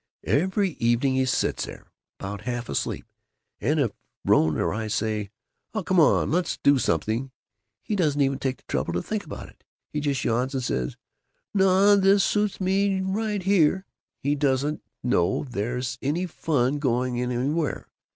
Every evening he sits there, about half asleep, and if Rone or I say, 'Oh, come on, let's do something,' he doesn't even take the trouble to think about it. He just yawns and says, 'Naw, this suits me right here.' He doesn't know there's any fun going on anywhere.